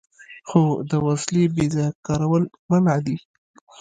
خو د وسلې بې ځایه کارول منع دي.